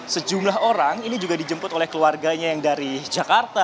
sejumlah orang ini juga dijemput oleh keluarganya yang dari jakarta